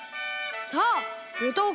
さあぶとう